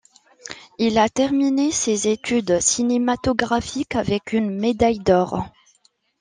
Il a terminé ses études cinématographiques avec une médaille d'or.